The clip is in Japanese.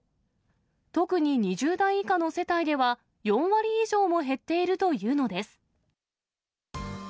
特に２０代以下の世帯では、４割以上も減っているというのです。